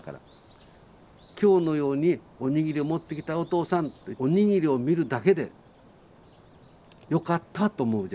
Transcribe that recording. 今日のように「おにぎり持ってきたよお父さん」っておにぎりを見るだけで「よかった」と思うじゃないですか。